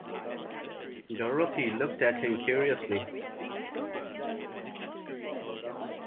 Dorothy looked at him curiously.